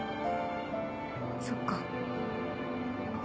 そっか。